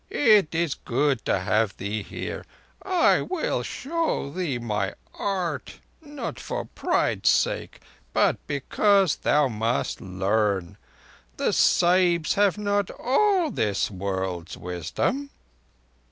It is good to have thee here: I will show thee my art—not for pride's sake, but because thou must learn. The Sahibs have not all this world's wisdom."